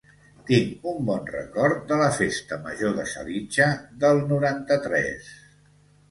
Tinc un bon record de la festa major de Salitja del noranta-tres